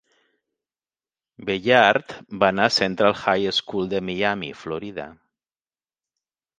Belliard va anar a Central High School de Miami, Florida.